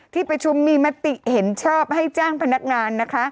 ที่ประชุมมีมติเห็นชอบให้จ้างพนักงานนะคะ